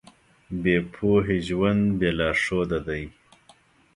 بې پوهې ژوند بې لارښوده دی.